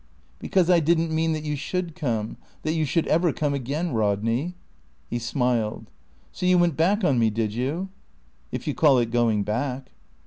"Because I didn't mean that you should come, that you should ever come again, Rodney." He smiled. "So you went back on me, did you?" "If you call it going back."